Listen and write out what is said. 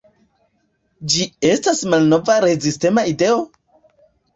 Ĝi estas malnova rezistema ideo?